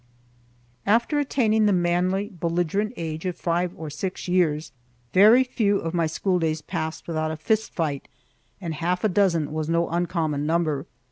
After attaining the manly, belligerent age of five or six years, very few of my schooldays passed without a fist fight, and half a dozen was no uncommon number.